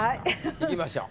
いきましょう。